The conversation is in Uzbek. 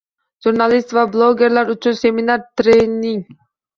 Jurnalist va blogerlar uchun seminar-treningng